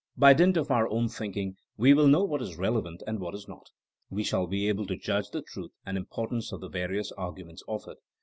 By dint of our own thinking we will know what is relevant and what is not ; we shall be able to judge the truth and importance of the various arguments offered.